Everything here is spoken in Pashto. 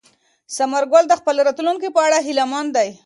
ثمر ګل د خپل راتلونکي په اړه هیله من دی.